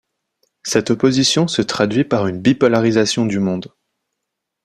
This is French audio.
Cette opposition se traduit par une bipolarisation du monde.